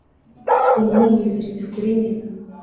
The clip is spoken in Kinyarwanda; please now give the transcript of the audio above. Umuhungu yiziritse kuri nyina